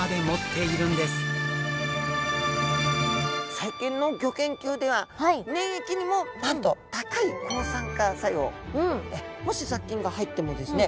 最近のギョ研究では粘液にもなんと高い抗酸化作用もし雑菌が入ってもですね